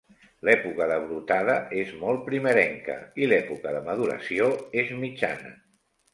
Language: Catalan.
L'època de brotada és molt primerenca i l'època de maduració és mitjana.